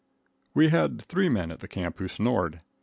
We had three men at the camp who snored.